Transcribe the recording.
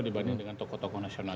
dibanding dengan tokoh tokoh nasional